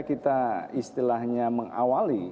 kita istilahnya mengawali